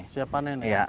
siap panen ya